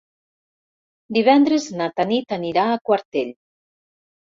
Divendres na Tanit anirà a Quartell.